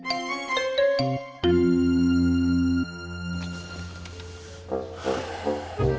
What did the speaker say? kenapa ini udah mau awal